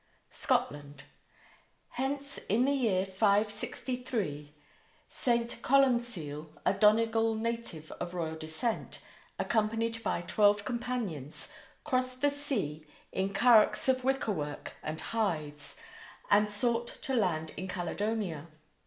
SCOTLAND: Hence in the year 563 St. Columcille, a Donegal native of royal descent, accompanied by twelve companions, crossed the sea in currachs of wickerwork and hides, and sought to land in Caledonia.